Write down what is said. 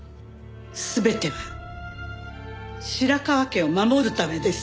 全ては白河家を守るためです。